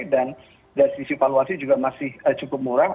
dan dari sisi valuasi juga masih cukup murah